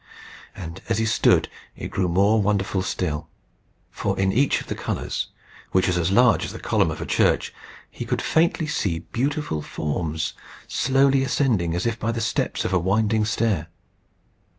And as he stood it grew more wonderful still. For in each of the colours, which was as large as the column of a church, he could faintly see beautiful forms slowly ascending as if by the steps of a winding stair.